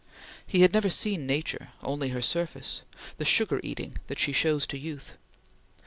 He had never seen Nature only her surface the sugar coating that she shows to youth.